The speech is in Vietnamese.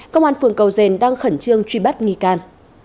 công an phường cầu dền đang khẩn trương truy bắt nghi can